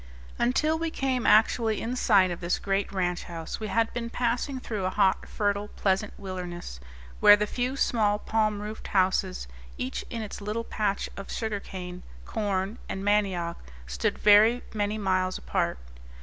Until we came actually in sight of this great ranch house we had been passing through a hot, fertile, pleasant wilderness, where the few small palm roofed houses, each in its little patch of sugar cane, corn, and mandioc, stood very many miles apart.